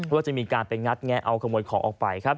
ว่าจะมีการไปงัดแงะเอาขโมยของออกไปครับ